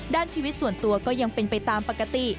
ด้านชีวิตส่วนตัวก็ยังเป็นไปตามปกติ